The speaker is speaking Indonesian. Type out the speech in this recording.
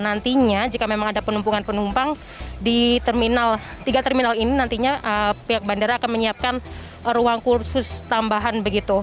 nantinya jika memang ada penumpukan penumpang di terminal tiga terminal ini nantinya pihak bandara akan menyiapkan ruang kursus tambahan begitu